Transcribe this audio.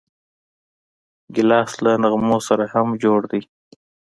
ګیلاس له نغمو سره هم جوړ دی.